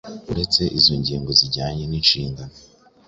Uretse izo ngingo zijyanye n'inshingano